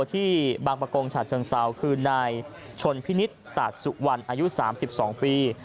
ที่บางประกงฉาเชิงเซาคือนายชนพินิษฐ์ตากสุวรรณอายุ๓๒ปี